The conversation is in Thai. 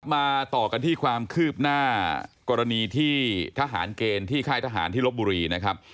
มาต่อกันที่ความคืบหน้ากรณีที่ทหารเกณฑ์ที่ค่ายทหารที่ลบบุรีนะครับ